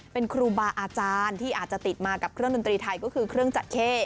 เป็นครูบาอาจารย์ที่อาจจะติดมากับเครื่องดนตรีไทยก็คือเครื่องจักรเข้